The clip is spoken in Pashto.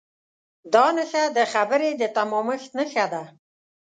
دا نښه د خبرې د تمامښت نښه ده.